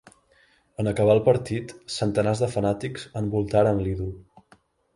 En acabar el partit, centenars de fanàtics envoltaren l'ídol.